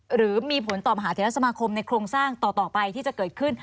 หรือมีผลต่อมหาเทศสมาคมในโครงสร้างต่อไปที่จะเกิดขึ้น